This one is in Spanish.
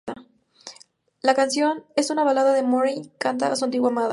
La canción es una balada que Morey canta a su antigua amada.